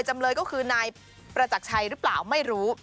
จำเลยก็คือนายประจักรชัยหรือเปล่าไม่รู้